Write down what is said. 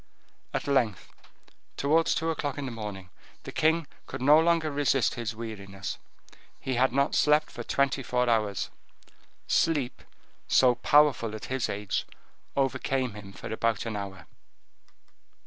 At length, towards two o'clock in the morning, the king could no longer resist his weariness: he had not slept for twenty four hours. Sleep, so powerful at his age, overcame him for about an hour.